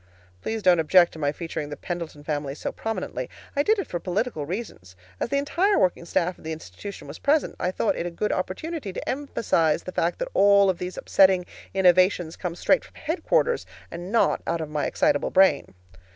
Please don't object to my featuring the Pendleton family so prominently. I did it for political reasons. As the entire working staff of the institution was present, I thought it a good opportunity to emphasize the fact that all of these upsetting, innovations come straight from headquarters, and not out of my excitable brain.